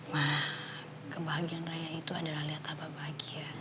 ma kebahagiaan raya itu adalah lihat abah bahagia